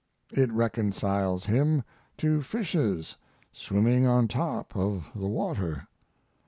it reconciles him to fishes swimming on top of the water.